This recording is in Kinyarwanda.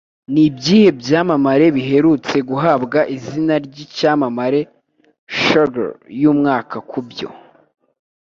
Nibyihe byamamare biherutse guhabwa izina ryicyamamare Shagger Yumwaka Kubyo